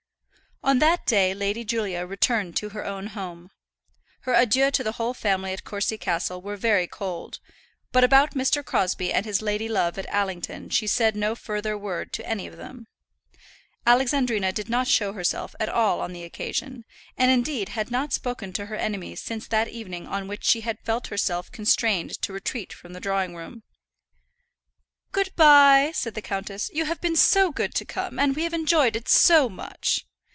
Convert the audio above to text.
On that day Lady Julia returned to her own home. Her adieux to the whole family at Courcy Castle were very cold, but about Mr. Crosbie and his lady love at Allington she said no further word to any of them. Alexandrina did not show herself at all on the occasion, and indeed had not spoken to her enemy since that evening on which she had felt herself constrained to retreat from the drawing room. "Good by," said the countess. "You have been so good to come, and we have enjoyed it so much."